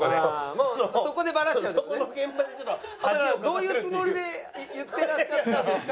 どういうつもりで言ってらっしゃったんですか？